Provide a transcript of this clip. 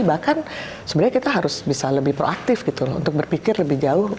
bahkan sebenarnya kita harus bisa lebih proaktif gitu loh untuk berpikir lebih jauh